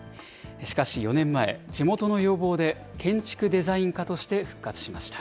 しかし、４年前、地元の要望で建築デザイン科として復活しました。